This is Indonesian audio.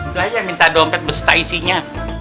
saya yang minta dompet besta isinya